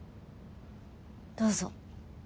どうぞ。